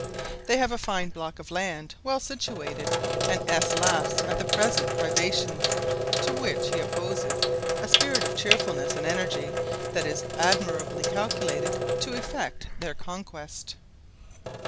They have a fine block of land, well situated; and S laughs at the present privations, to which he opposes a spirit of cheerfulness and energy that is admirably calculated to effect their conquest.